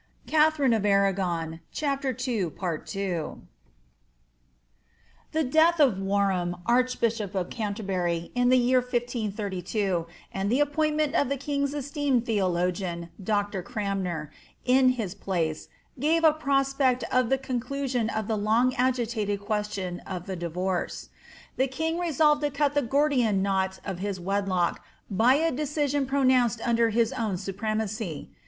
KATHARIHI OF ARRAOOIT. 107 The death of Warfaam, archbishop of Canterbury, in the year 1532, and the appointment of the king's esteemed theologian, Dr. Cfranmer, in kis place, gave a prospect of the conclusion of the long ogitated question of the diTorce. The king resolved to cut the Gordian knot of his wedlock by a decision pronounced under his own shpremacy.